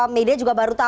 media juga baru tahu